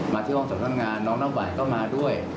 มาที่ห้องสอบทำงานน้องน้องหวัยก็มาด้วย